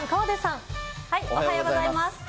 おはようございます。